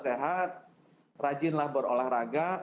sehat rajinlah berolahraga